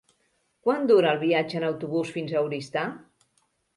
Quant dura el viatge en autobús fins a Oristà?